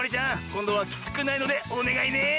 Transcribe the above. こんどはきつくないのでおねがいね！